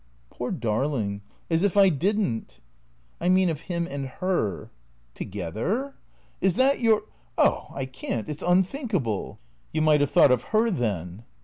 " Poor darling, as if I did n't." " I mean — of him and her." " Together ? Is that your Oh, I can't. It 's unthink able." " You might have thought of her, then."